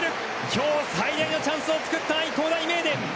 きょう最大のチャンスを作った愛工大名電。